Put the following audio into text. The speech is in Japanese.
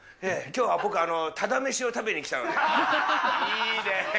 きょうは僕、ただ飯を食べに来たいいね。